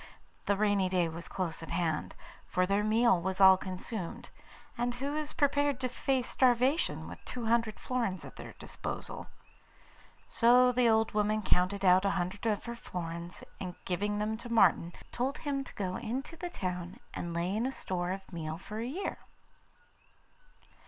the rainy day was close at hand, for their meal was all consumed, and who is prepared to face starvation with two hundred florins at their disposal? So the old woman counted out a hundred of her florins, and giving them to Martin, told him to go into the town and lay in a store of meal for a year.